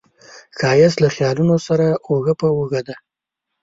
ښایست له خیالونو سره اوږه په اوږه دی